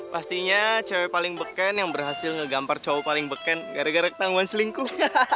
pastinya cewek paling beken yang berhasil ngegampar cewek paling beken gara gara ketangguhan selingkuh